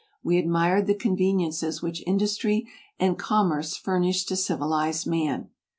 We admired the conveniences which industry and commerce furnish to civilized man.